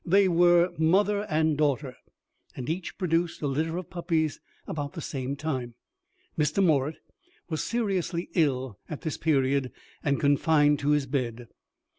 They were mother and daughter, and each produced a litter of puppies about the same time. Mr. Morritt was seriously ill at this period, and confined to his bed.